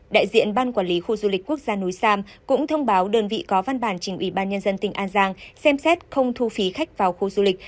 đại diện ban quản lý khu du lịch quốc gia núi sam cũng thông báo đơn vị có văn bản trình ủy ban nhân dân tỉnh an giang xem xét không thu phí khách vào khu du lịch